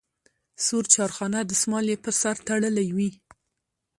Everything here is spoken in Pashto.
سور چارخانه دستمال یې په سر تړلی وي.